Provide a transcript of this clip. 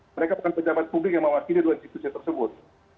mereka bukan pejabat publik yang mewakili dua institusi tersebut